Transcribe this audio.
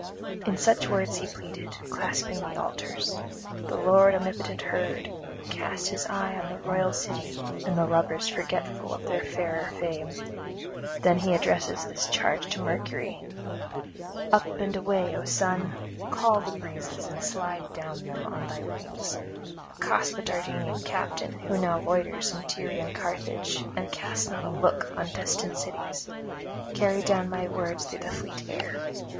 In such words he pleaded, clasping the altars; the Lord omnipotent heard, and cast his eye on the royal city and the lovers forgetful of their fairer fame. Then he addresses this charge to Mercury: 'Up and away, O son! call the breezes and slide down them on thy wings: accost the Dardanian captain who now loiters in Tyrian Carthage and casts not a look on destined cities; carry down my words through the fleet air.